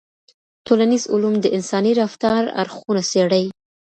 ټولنيز علوم د انساني رفتار اړخونه څېړي.